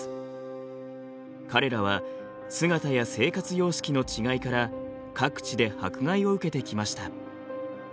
彼らは姿や生活様式の違いから各地で迫害を受けてきました。